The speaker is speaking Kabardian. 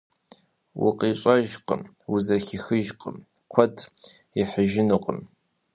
УкъищӀэжкъым, узэхихыжкъым, куэд ихьыжынукъым.